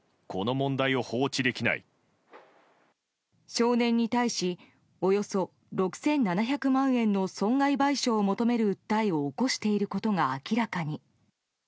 少年に対しおよそ６７００万円の損害賠償を求める訴えを起こしていることが明らかに。